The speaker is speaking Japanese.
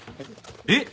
えっ！？